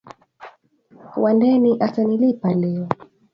Wandeni ata nilipa leo